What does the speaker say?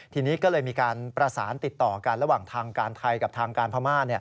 ทีนี้ก็เลยมีการประสานติดต่อกันระหว่างทางการไทยกับทางการพม่า